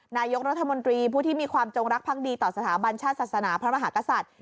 นายกรัฐมนตรีผู้ที่มีความจงรักภักดีต่อสถาบันชาติศาสนาพระมหากษัตริย์